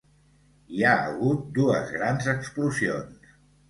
Hi ha hagut dues grans explosions.